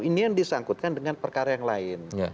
ini yang disangkutkan dengan perkara yang lain